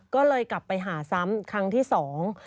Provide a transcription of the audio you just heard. ก็เลยกลับไปหาซ้ำครั้งที่สอง